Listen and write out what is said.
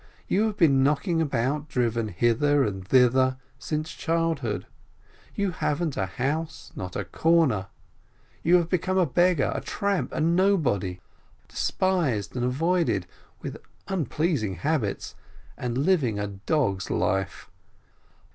You have been knocking about, driven hither and thither, since childhood. You haven't a house, not a corner, you have become a beggar, a tramp, a nobody, despised and avoided, with unpleasing habits, and living a dog's life.